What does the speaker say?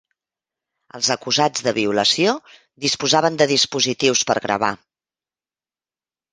Els acusats de violació disposaven de dispositius per gravar